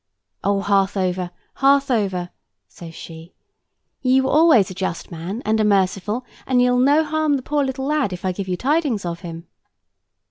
"Oh, Harthover, Harthover," says she, "ye were always a just man and a merciful; and ye'll no harm the poor little lad if I give you tidings of him?"